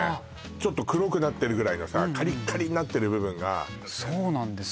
ちょっと黒くなってるぐらいのさカリカリになってる部分がそうなんですよ